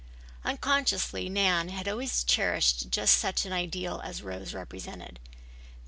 Unconsciously Nan had always cherished just such an ideal as Rose represented.